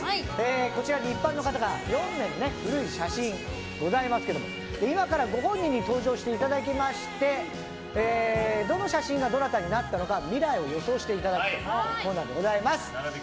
こちらに一般の方の４名の古い写真ございますけども今からご本人に登場していただきましてどの写真がどなたになったのか未来を予想していただくコーナーでございます。